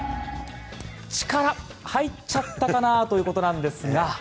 力入っちゃったかな−ということなんですが。